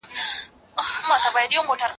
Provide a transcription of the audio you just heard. زه هره ورځ د سبا لپاره د يادښتونه بشپړوم؟!